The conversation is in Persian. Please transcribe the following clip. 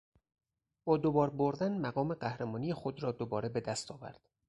با دوبار بردن مقام قهرمانی خود را دوباره به دست آورد.